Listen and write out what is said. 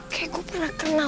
kayak gue pernah kenal